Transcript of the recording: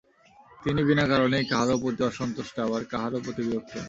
তিনি বিনা কারণেই কাহারও প্রতি সন্তুষ্ট, আবার কাহারও প্রতি বিরক্ত।